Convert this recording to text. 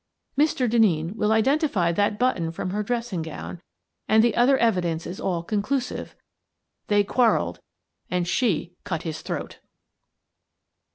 — Mr. Den neen will identify that button from her dressing gown, and the other evidence is all conclusive — they quarrelled — and she cut his throat!